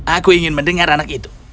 aku ingin mendengar anak itu